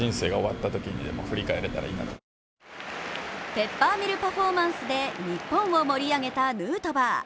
ペッパーミルパフォーマンスで日本を盛り上げたヌートバー。